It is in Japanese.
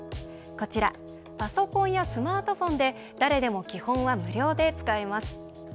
こちらパソコンやスマートフォンで誰でも基本は無料で使えます。